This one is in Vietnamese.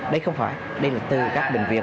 đây không phải đây là từ các bệnh viện